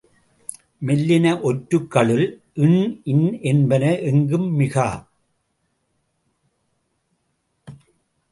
மெல்லின ஒற்றுக்களுள் ண், ன் என்பன எங்கும் மிகா.